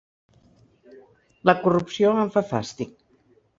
La corrupció em fa fàstic.